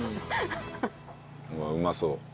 うわっうまそう。